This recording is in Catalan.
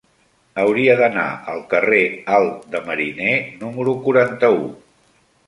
Hauria d'anar al carrer Alt de Mariner número quaranta-u.